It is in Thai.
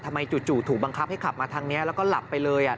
จู่ถูกบังคับให้ขับมาทางนี้แล้วก็หลับไปเลย